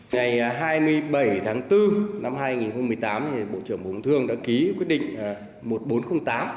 ngày hai mươi bảy tháng bốn năm hai nghìn một mươi tám bộ trưởng bộ công thương đã ký quyết định một nghìn bốn trăm linh tám